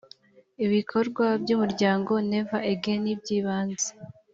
ibikorwa by umuryango never again byibanze